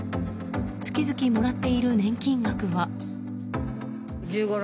月々もらっている年金額は。